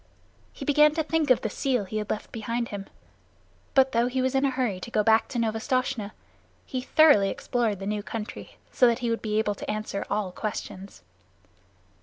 He began to think of the seal he had left behind him, but though he was in a hurry to go back to Novastoshnah, he thoroughly explored the new country, so that he would be able to answer all questions.